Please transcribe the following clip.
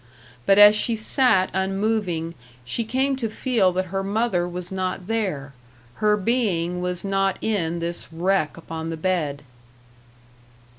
But as she sat unmoving she came to feel that her mother was not there; her being was not in this wreck upon the bed.